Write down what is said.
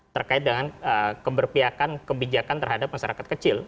terkait dengan keberpihakan kebijakan terhadap masyarakat kecil